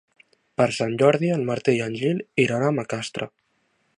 Per Sant Jordi en Martí i en Gil iran a Macastre.